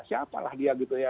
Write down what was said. siapalah dia gitu ya